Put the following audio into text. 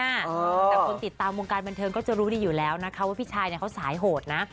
แต่คนติดตามวงการบันเทิงก็จะรู้ดีอยู่แล้วนะคะว่าพี่ชายเนี่ยเขาสายโหดนะ